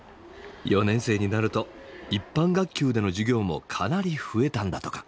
４年生になると一般学級での授業もかなり増えたんだとか。